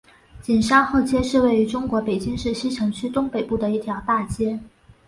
景山后街是位于中国北京市西城区东北部的一条大街。